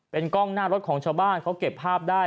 เป็นกล้องหน้ารถของชาวบ้านเขาเก็บภาพได้